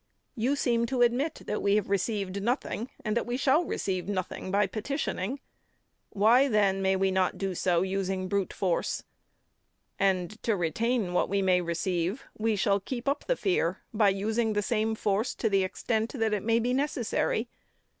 You seem to admit that we have received nothing, and that we shall receive nothing by petitioning. Why, then, may we not do so by using brute force? And, to retain what we may receive, we shall keep up the fear by using the same force to the extent that it may be necessary.